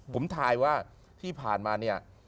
ผมทายว่าที่ผ่านมาเนี่ย